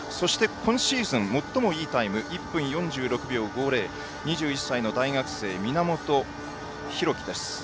今シーズン最もいいタイム１分４６秒５０２１歳の大学生、源裕貴です。